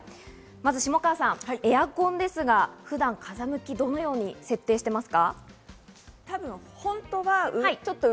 下川さん、エアコンですが、普段、風向きをどのように設定していますか？